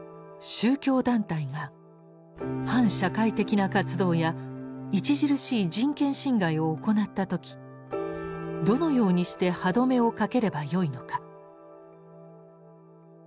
宗教団体が反社会的な活動や著しい人権侵害を行った時どのようにして歯止めをかければよいのか？